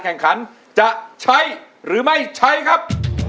แข่งขันจะใช้หรือไม่ใช้ครับ